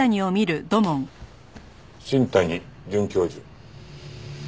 新谷准教授。